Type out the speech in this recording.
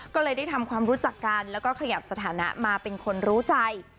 ก็เลยได้ทำความรู้จักกันแล้วก็ขยับสถานะมาเป็นคนรู้ใจ